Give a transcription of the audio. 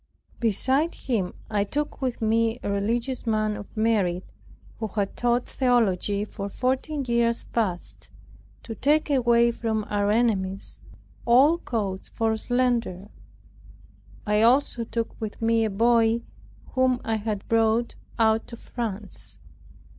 Beside him, I took with me a religious man of merit, who had taught theology for fourteen years past, to take away from our enemies all cause for slander. I also took with me a boy whom I had brought out of France.